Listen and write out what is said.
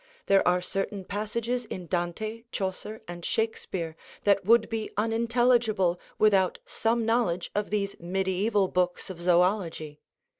There are certain passages in Dante, Chaucer, and Shakespeare, that would be unintelligible without some knowledge of these mediaeval books of zoölogy.